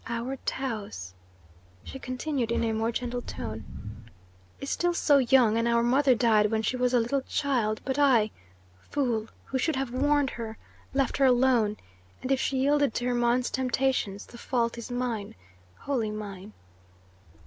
Our Taus," she continued in a more gentle tone, "is still so young, and our mother died when she was a little child; but I, fool, who should have warned her, left her alone, and if she yielded to Hermon's temptations the fault is mine, wholly mine."